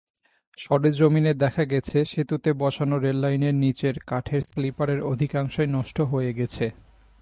সরেজমিনে দেখা গেছে, সেতুতে বসানো রেললাইনের নিচের কাঠের স্লিপারের অধিকাংশই নষ্ট হয়ে গেছে।